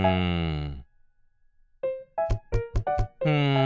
うん。